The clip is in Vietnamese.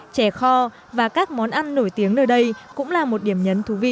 chè kho và các món ăn nổi tiếng nơi đây cũng là một điểm nhấn thú vị